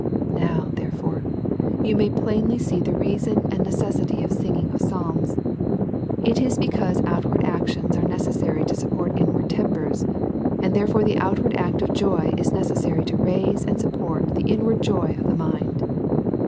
Now, therefore, you may plainly see the reason and necessity of singing of psalms ; it is because outward "^ o2 196 A SERIOUS CALL TO A actions are necessary to support inward tempers ; and therefore^ the outward act of joy is necessary to raise and support the inward joy of the mind.